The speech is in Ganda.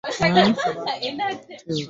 Lwaki wasooka kukozesa bintu bino?